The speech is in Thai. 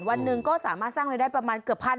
วันหนึ่งก็สามารถสร้างรายได้ประมาณเกือบพัน